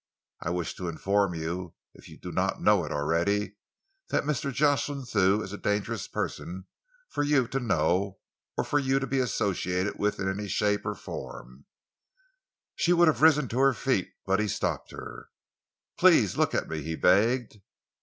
I wish to inform you, if you do not know it already, that Mr. Jocelyn Thew is a dangerous person for you to know, or for you to be associated with in any shape or form." She would have risen to her feet but he stopped her. "Please look at me," he begged.